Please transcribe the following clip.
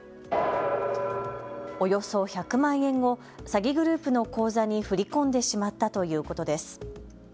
およそ１００万円を詐欺グループの口座に振り込んでしまったということです。